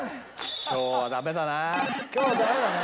今日はダメだな。